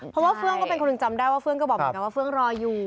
เพราะว่าเฟื่องก็เป็นคนหนึ่งจำได้ว่าเฟื่องก็บอกเหมือนกันว่าเฟื่องรออยู่